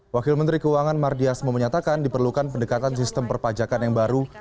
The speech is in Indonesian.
wakil menteri keuangan mardiasmenyatakan diperlukan pendekatan sistem perpajakan yang baru